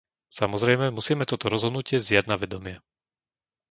Samozrejme musíme toto rozhodnutie vziať na vedomie.